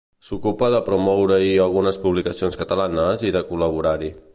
S'ocupa de promoure-hi algunes publicacions catalanes i de col·laborar-hi.